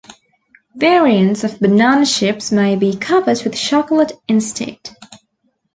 Variants of banana chips may be covered with chocolate instead.